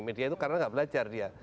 media itu karena nggak belajar dia